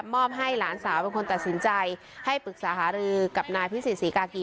ให้หลานสาวเป็นคนตัดสินใจให้ปรึกษาหารือกับนายพิสิทธศรีกากี